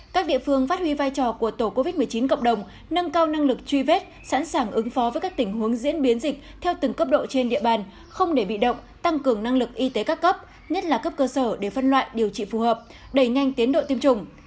các địa phương phát huy vai trò của tổ covid một mươi chín cộng đồng nâng cao năng lực truy vết sẵn sàng ứng phó với các tình huống diễn biến dịch theo từng cấp độ trên địa bàn không để bị động tăng cường năng lực y tế các cấp nhất là cấp cơ sở để phân loại điều trị phù hợp đẩy nhanh tiến độ tiêm chủng